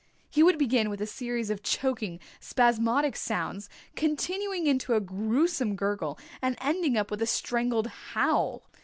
He would begin with a series of choking, spasmodic sounds, continuing into a gruesome gurgle, and ending up with a strangled howl.